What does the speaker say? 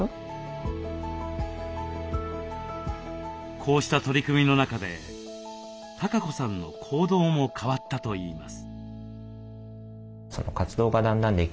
こうした取り組みの中でたかこさんの行動も変わったといいます。